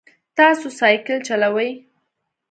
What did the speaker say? تاسو سایکل چلوئ؟